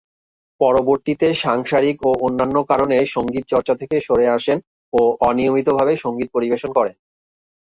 পরবর্তীতে সাংসারিক ও অন্যান্য কারণে সংগীত চর্চা থেকে সরে আসেন ও অনিয়মিতভাবে সংগীত পরিবেশন করেন।